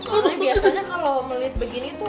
soalnya biasanya kalau melihat begini tuh